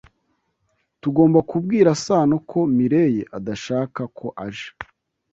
Tugomba kubwira Sano ko Mirelle adashaka ko aje.